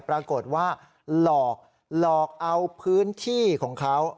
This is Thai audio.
ปรากฏว่าหลอกหลอกเอาพื้นที่ของเขา